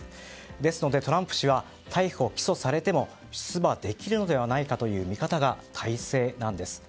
ですのでトランプ氏が逮捕・起訴されても出馬できるのではないかという見方が大勢なんです。